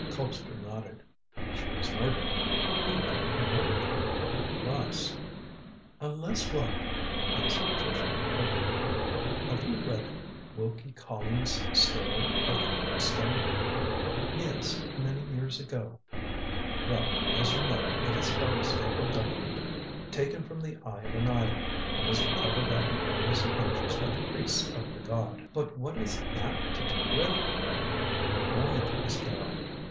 Colpster nodded. "She was murdered. Who could have murdered her? Unless " "Unless what?" asked Patricia, quickly. "Have you read Wilkie Collins' story of The Moonstone?" "Yes, many years ago." "Well, as you know, it is about a sacred diamond taken from the eye of an idol, and is recovered after various adventures by the priests of the god." "But what has that to do with ?" "One moment, Miss Carrol.